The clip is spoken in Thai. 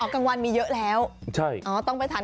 อ๋อกลางวานมีเยอะแล้วต้องไปทานกลางคืนใช่ใช่